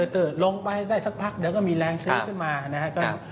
ลงไปได้สักพักเดี๋ยวก็มีแรงซื้อขึ้นมานะครับ